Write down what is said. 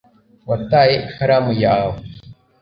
wataye ikaramu yawe